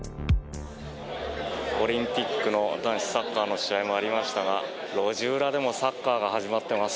オリンピックの男子サッカーの試合もありましたが路地裏でもサッカーが始まっています。